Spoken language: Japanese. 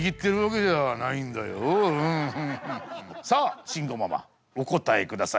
別にさあ慎吾ママお答えくださいどうぞ！